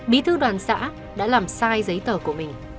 bí thư đoàn xã đã làm sai giấy tờ của mình